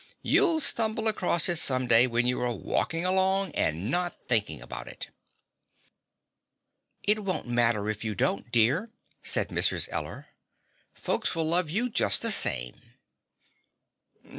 You'll stumble across it some day when you are walking along and not thinking about it." "It won't matter if you don't, dear," said Mrs. Eller. "Folks will love you just the same."